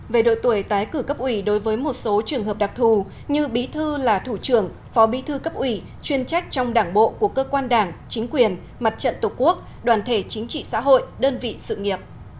về độ tuổi tái cử cấp ủy đối với một số trường hợp đặc thù như bí thư là thủ trưởng phó bí thư cấp ủy chuyên trách trong đảng bộ của cơ quan đảng chính quyền mặt trận tổ quốc đoàn thể chính trị xã hội đơn vị sự nghiệp